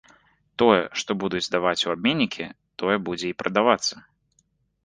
Тое, што будуць здаваць у абменнікі, тое будзе і прадавацца.